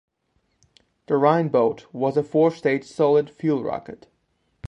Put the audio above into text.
The "Rheinbote" was a four-stage solid fuel rocket.